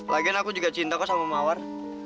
lagian aku juga cinta kok sama mawar